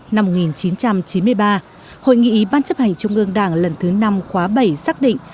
năm một nghìn chín trăm chín mươi ba hội nghị ban chấp hành trung ương đảng lần thứ năm khóa bảy xác định